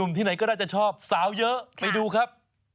ที่ไหนก็น่าจะชอบสาวเยอะไปดูครับ